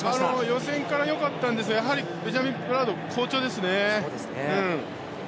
予選から良かったんですがやはりベンジャミン・プラウド好調ですね。